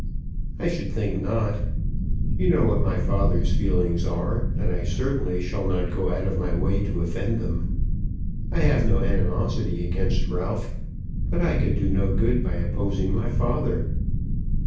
"I should think not. You know what my father's feelings are, and I certainly shall not go out of my way to offend them. I have no animosity against Ralph; but I could do no good by opposing my father."